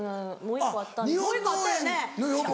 もう１個あったよね？